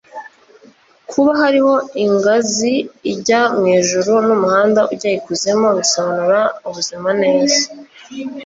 Kuba hariho ingazi ijya mwijuru n'umuhanda ujya ikuzimu bisobanura ubuzima neza.